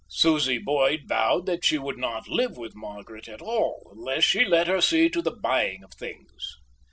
Susie Boyd vowed that she would not live with Margaret at all unless she let her see to the buying of her things.